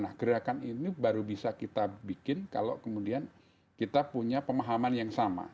nah gerakan ini baru bisa kita bikin kalau kemudian kita punya pemahaman yang sama